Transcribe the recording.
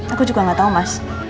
aku juga gak tahu mas